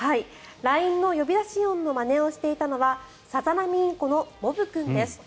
ＬＩＮＥの呼び出し音のまねをしていたのはサザナミインコのモブ君です。